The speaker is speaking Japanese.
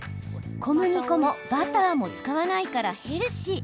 小麦粉もバターも使わないからヘルシー。